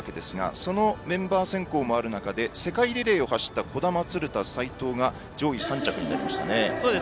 そのメンバー選考もある中で世界リレーを走った兒玉、鶴田齋藤が上位３着です。